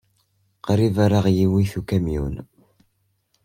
Qrib ay aɣ-iwit ukamyun.